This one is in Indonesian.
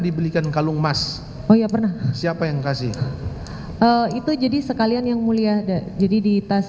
dibelikan kalung emas oh iya pernah siapa yang kasih itu jadi sekalian yang mulia jadi di tas